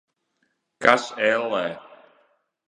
Kas, ellē?